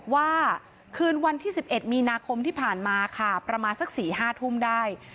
ว่าคืนวันที่สิบเอ็ดมีนาคมที่ผ่านมาค่ะประมาณสักสิบสี่ห้าทุ่มได้